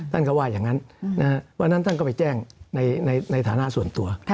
ท่านก็ว่าอย่างนั้นวันนั้นท่านก็ไปแจ้งในฐานะส่วนตัว